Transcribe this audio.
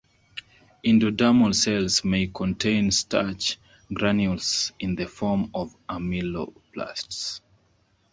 Endodermal cells may contain starch granules in the form of amyloplasts.